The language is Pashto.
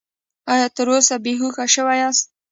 ایا تر اوسه بې هوښه شوي یاست؟